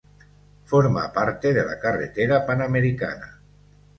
Forma parte de la Carretera panamericana.